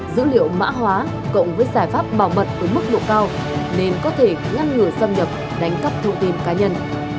dữ liệu mã hóa cộng với giải pháp bảo mật ở mức độ cao nên có thể ngăn ngừa xâm nhập đánh cắp thông tin cá nhân